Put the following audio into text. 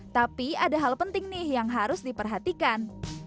tapi ada hal penting nih yang harus diperhatikan